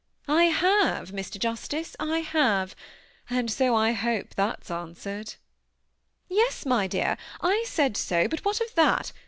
'* I have, Mr. Justice, I have, — and so I hope that's answered." '< Yes, my dear, I said so, but what of that?